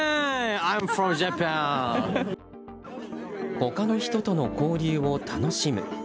他の人との交流を楽しむ。